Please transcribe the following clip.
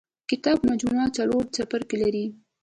کتاب مجموعه څلور څپرکي لري.